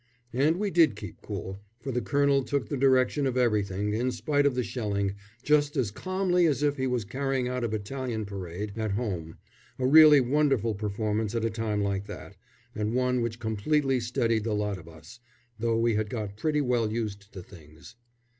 And we did keep cool, for the colonel took the direction of everything, in spite of the shelling, just as calmly as if he was carrying out a battalion parade at home a really wonderful performance at a time like that, and one which completely steadied the lot of us, though we had got pretty well used to things.